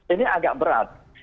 ini agak berat